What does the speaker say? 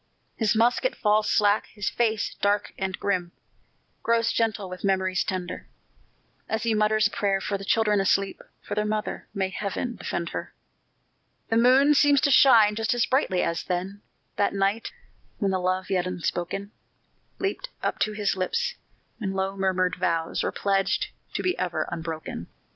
His musket falls slack; his face, dark and grim, Grows gentle with memories tender, As he mutters a prayer for the children asleep For their mother may Heaven defend her! The moon seems to shine just as brightly as then, That night, when the love yet unspoken Leaped up to his lips when low murmured vows Were pledged to be ever unbroken.